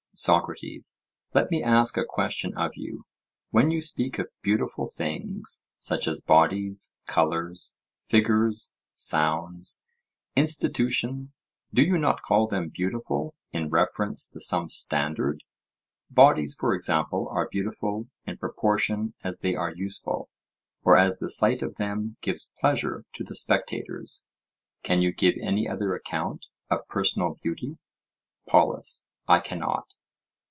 SOCRATES: Let me ask a question of you: When you speak of beautiful things, such as bodies, colours, figures, sounds, institutions, do you not call them beautiful in reference to some standard: bodies, for example, are beautiful in proportion as they are useful, or as the sight of them gives pleasure to the spectators; can you give any other account of personal beauty? POLUS: I cannot.